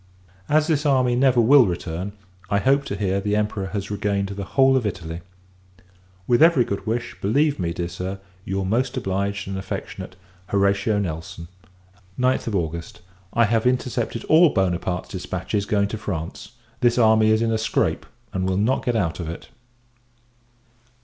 As this army never will return, I hope to hear the Emperor has regained the whole of Italy. With every good wish, believe me, dear Sir, your most obliged and affectionate HORATIO NELSON. 9th August. I have intercepted all Buonaparte's dispatches going to France. This army is in a scrape, and will not get out of it.